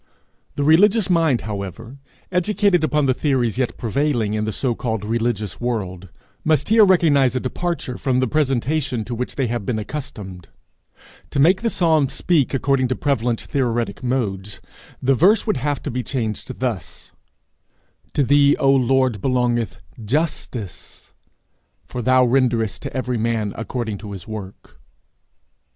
The religious mind, however, educated upon the theories yet prevailing in the so called religious world, must here recognize a departure from the presentation to which they have been accustomed: to make the psalm speak according to prevalent theoretic modes, the verse would have to be changed thus: 'To thee, O Lord, belongeth justice, for thou renderest to every man according to his work.'